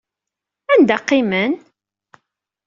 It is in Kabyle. Anda qqimen?